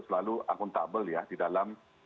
selalu akuntabel ya di dalam